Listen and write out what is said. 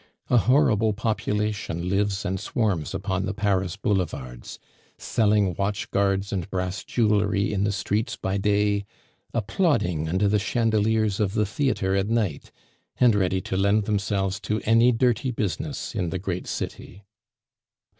A horrible population lives and swarms upon the Paris boulevards; selling watch guards and brass jewelry in the streets by day, applauding under the chandeliers of the theatre at night, and ready to lend themselves to any dirty business in the great city.